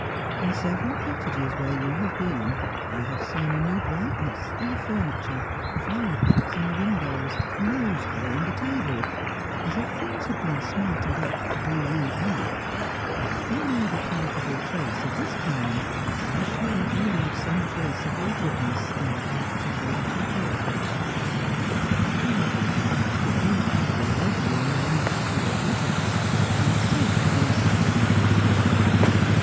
In several cottages where you have been I have seen a new brightness in the furniture, flower pots in the windows, a nosegay on the table, as if things had been smartened up to do you honour — and if you leave a palpable trace of this kind, be assured you leave some trace of your goodness in the hearts of those you talk with. Why, the fact that these people love you and are anxious for your visits, ought in itself to be a sufficient reward.'